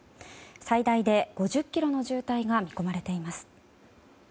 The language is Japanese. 最大で５０ｋｍの渋滞が見込まれています。